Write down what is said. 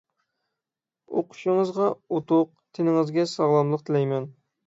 ئوقۇشىڭىزغا ئۇتۇق، تېنىڭىزگە ساغلاملىق تىلەيمەن.